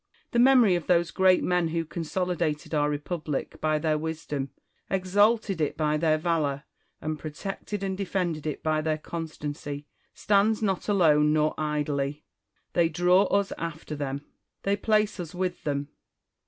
The memory of those great men who consolidated our republic by their wisdom, exalted it by their valour, and protected and defended it by their constancy, stands not alone nor idly ; they draw us after them, they place us with them.